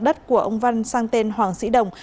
đất của ông văn sang tên hoàng sĩ đồng